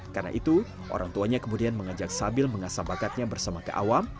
karena itu orang tuanya kemudian mengajak sabil mengasah bakatnya bersama ke awam